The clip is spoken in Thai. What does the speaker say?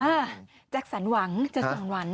อ่ากจักษรหวังจักษรหวัญ